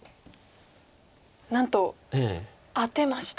なんとアテました。